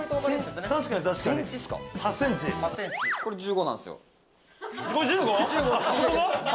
これが１５なんすよ。